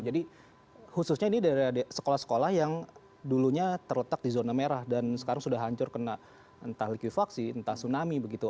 jadi khususnya ini dari sekolah sekolah yang dulunya terletak di zona merah dan sekarang sudah hancur kena entah likuifaksi entah tsunami begitu